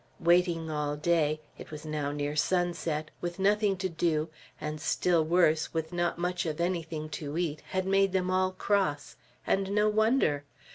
Waiting all day, it was now near sunset, with nothing to do, and still worse with not much of anything to eat, had made them all cross; and no wonder.